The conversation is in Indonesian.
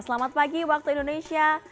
selamat pagi waktu indonesia